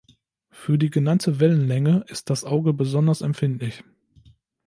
Für die genannte Wellenlänge ist das Auge besonders empfindlich.